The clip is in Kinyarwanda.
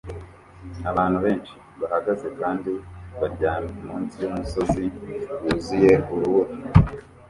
Abantu benshi bahagaze kandi baryamye munsi yumusozi wuzuye urubura